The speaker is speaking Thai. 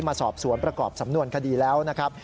มาสอบสวนประกอบสำนวนคดีแล้วนะครับ